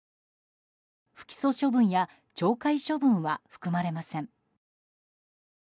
不起訴処分や懲戒処分は含まれません。